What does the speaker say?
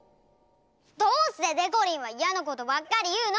どうしてでこりんはイヤなことばっかりいうの！？